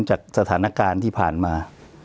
จากสถานการณ์ที่ผ่านมา